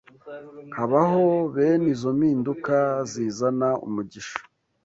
habaho bene izo mpinduka zizana umugisha?